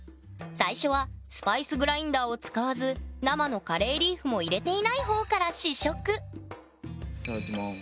最初はスパイスグラインダーを使わず生のカレーリーフも入れていない方から試食いただきます。